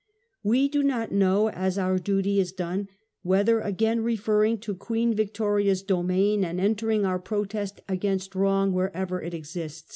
We do not know as our duty is done without again referring to Queen Victoria's domain, and entering our protest against wrong wherever it exist.